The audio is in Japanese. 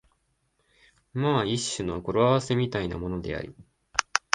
まあ一種の語呂合せみたいなものであり、